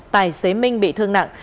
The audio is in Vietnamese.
tài xế minh bị thương nặng